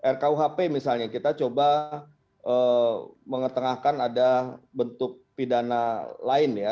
rkuhp misalnya kita coba mengetengahkan ada bentuk pidana lain ya